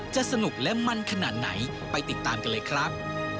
จะสนุกและมันขนาดไหนไปติดตามกันเลยครับ